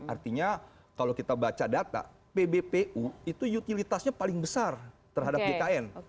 artinya kalau kita baca data pbpu itu utilitasnya paling besar terhadap jkn